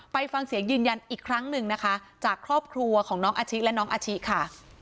ไปฟังเสียงยืนยันอีกครั้งหนึ่งนะคะจากครอบครัวของน้องอาชิและน้องอาชิค่ะ